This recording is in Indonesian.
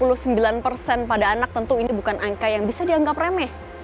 angka kematian hampir tujuh puluh sembilan pada anak tentu ini bukan angka yang bisa dianggap remeh